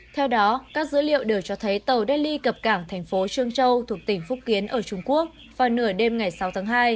theo đó các dữ liệu đều cho thấy tàu delhi cập cảng thành phố trương châu thuộc tỉnh phúc kiến ở trung quốc vào nửa đêm ngày sáu tháng hai